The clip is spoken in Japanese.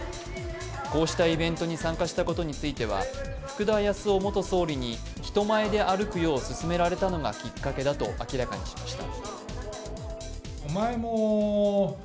こうしたイベントに参加したことについては、福田康夫元総理に人前で歩くよう勧められたのがきっかけだと明らかにしました。